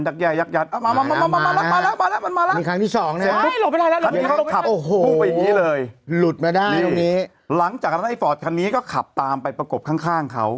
ดักแย่ยัดยัดมาอย่างนี้สองลุดแต่ตอนนี้ก็ขับตามไปประกบข้างเขา